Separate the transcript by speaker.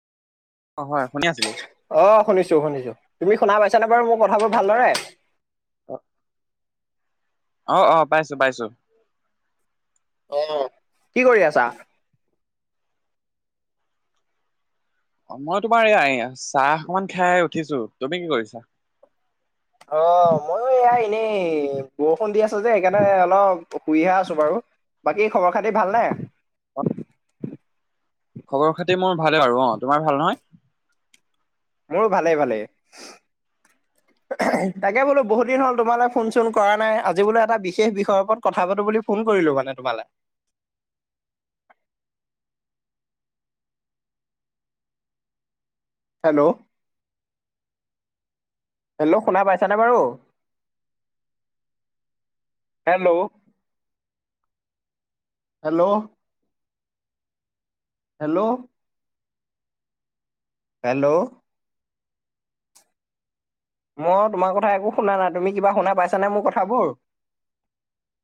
Speaker 1: অ', হয় শুনি আছো।
Speaker 2: অ', শুনিছো শুনিছো, তুমি শুনা পাইছানে বাৰু মোৰ কথাবোৰ ভালদৰে?
Speaker 1: অ', অ', পাইছো পাইছো।
Speaker 2: অ', কি কৰি আছা?
Speaker 1: অ', মই তোমাৰ এই এয়া চাহ অকমান খাই উঠিছো, তুমি কি কৰিছা?
Speaker 2: অ', ময়ো এ এনেই বৰষুণ দি আছো যে সেইকাৰণে অলপ শুইহে আছো বাৰু। বাকী খবৰ খাতি ভালনেে?
Speaker 1: অ খবৰ খাতি মোৰ ভালে আৰু অ', তোমাৰ ভাল নহয়?
Speaker 2: মোৰো ভালেই ভালেই। তাকে বোলো বহুত দিন হ'ল তোমালে ফোন চোন কৰা নাই আজি বোলে এটা বিশেষ বিষয়ৰ ওপৰত কথা পাতো বুলি ফোন কৰিলো মানে তোমালে। হেল্ল'। হেল্ল' শুনা পাইছানে বাৰু? হেল্ল'। হেল্ল'। হেল্ল'। হেল্ল'। মই তোমাৰ কথা একো শুনা নাই, তুমি কিবা শুনা পাইছানে মোৰ কথাবোৰ?